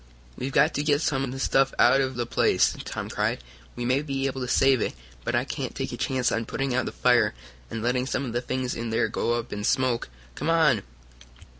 "We've got to get some of the stuff out of the place!" Tom cried. "We may be able to save it, but I can't take a chance on putting out the fire and letting some of the things in there go up in smoke. Come on!"